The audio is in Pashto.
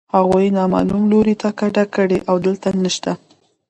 هغوی نامعلوم لوري ته کډه کړې او دلته نشته